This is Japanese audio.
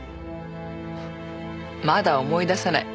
まだ思い出さない。